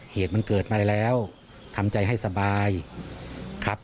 เหตุมันเกิดมาแล้วทำใจให้สบายครับ